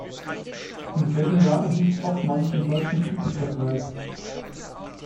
Im selben Jahr erhielt Hoffmann den Deutschen Kritikerpreis.